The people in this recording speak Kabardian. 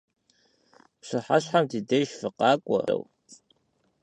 Pşıheşhem di dêjj fıkhak'ue vui lh'ır vuiğuseu.